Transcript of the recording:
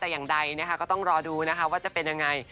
แต่อย่างใดก็ต้องรอดูว่าจะเป็นอย่างไร